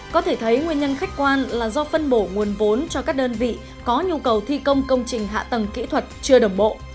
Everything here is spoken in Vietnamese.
có thể thấy nguyên nhân khách quan là do phân bổ nguồn vốn cho các đơn vị có nhu cầu thi công công trình hạ tầng kỹ thuật chưa đồng bộ